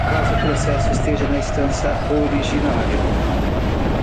caso o processo esteja na instância originária: